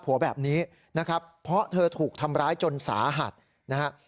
แบบนี้นะครับเพราะเธอถูกทำร้ายจนสาหัสนะฮะ